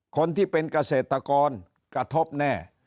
คนที่เป็นเกษตรกรกระทบแน่